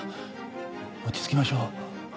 落ち着きましょう。